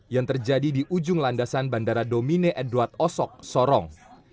yang terjadi di ujung landasan bandara domine edward osok sorong